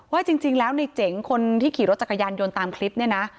ว่าจริงแล้วในเจ๋งคนที่ขี่รถจักรยานยนต์ตามคลิปเนี่ยนะ